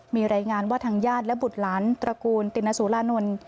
มีรายงานว่าทางญาติและบุตรหลานตระกูลตินสุรานนท์